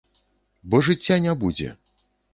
Бо жыцця не будзе!